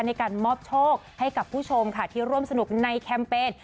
ในการมอบโชคให้กับผู้ชมค่ะที่ร่วมสนุกในแคมเปญ